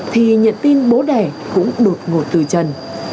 thì nhận tin bố đẻ cũng đột ngột từ trần